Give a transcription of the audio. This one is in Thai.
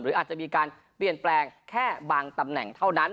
อาจจะมีการเปลี่ยนแปลงแค่บางตำแหน่งเท่านั้น